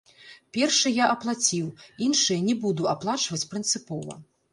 Першы я аплаціў, іншыя не буду аплачваць прынцыпова.